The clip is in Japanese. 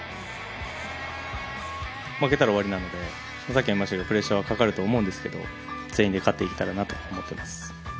負けたら終わりなので、プレッシャーはかかると思うんですけど、全員で勝っていけたらなと思っています。